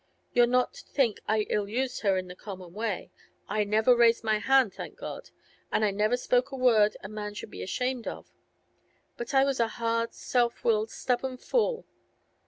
You're not to think I ill used her in the common way; I never raised my hand, thank God! and I never spoke a word a man should be ashamed of. But I was a hard, self willed, stubborn fool.